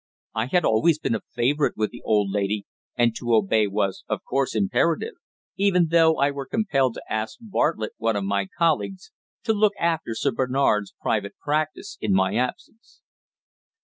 I had always been a favourite with the old lady, and to obey was, of course, imperative even though I were compelled to ask Bartlett, one of my colleagues, to look after Sir Bernard's private practice in my absence.